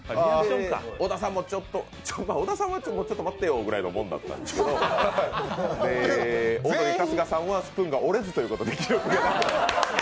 小田さんも小田さんは「ちょっと待ってよ」ぐらいのテンションだったんですがオードリー春日さんはスプーンが折れずということで。